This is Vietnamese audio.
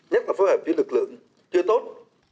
nhất là phối hợp với lực lượng chưa tốt